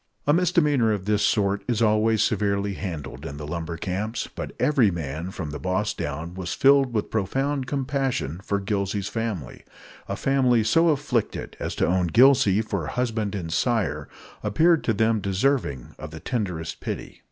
A misdemeanor of this sort is always severely handled in the lumber camps. But every man, from the boss down, was filled with profound compassion for Gillsey's family. A family so afflicted as to own Gillsey for husband and sire appeared to them deserving of the tenderest pity.